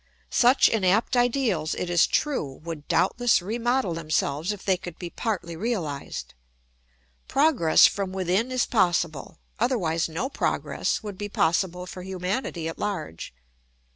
Such inapt ideals, it is true, would doubtless remodel themselves if they could be partly realised. Progress from within is possible, otherwise no progress would be possible for humanity at large.